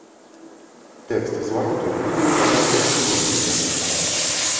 Тэкст звароту будзе выкладацца ў сацыяльных сетках.